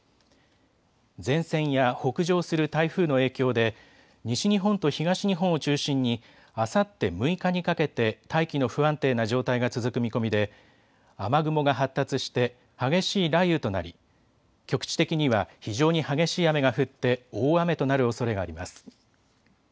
前線や北上する台風の影響で西日本と東日本を中心にあさって６日にかけて大気の不安定な状態が続く見込みで雨雲が発達して激しい雷雨となり局地的には非常に激しい雨が降って大雨となるおそれがあります。